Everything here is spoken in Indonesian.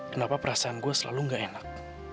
kenapa perasaan gua selalu ga enak